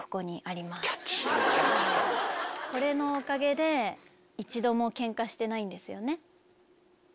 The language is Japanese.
これのおかげで一度もケンカしてないんですよね。